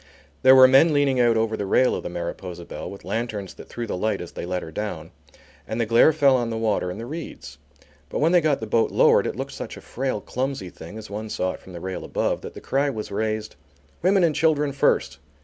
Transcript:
There were men leaning out over the rail of the Mariposa Belle with lanterns that threw the light as they let her down, and the glare fell on the water and the reeds. But when they got the boat lowered, it looked such a frail, clumsy thing as one saw it from the rail above, that the cry was raised: "Women and children first!"